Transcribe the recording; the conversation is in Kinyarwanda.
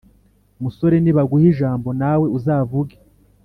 Musore, nibaguha ijambo nawe uzavuge,